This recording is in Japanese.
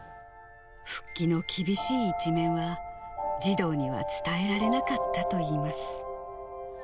復帰の厳しい一面は、児童には伝えられなかったといいます。